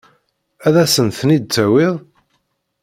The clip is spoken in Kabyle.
Ad asen-tent-id-tawiḍ?